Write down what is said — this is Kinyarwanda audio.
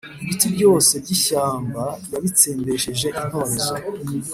Ibiti byose by’ishyamba yabitsembesheje intorezo,